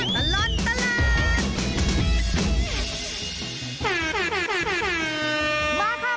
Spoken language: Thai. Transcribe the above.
ช่วงตลอดตลาด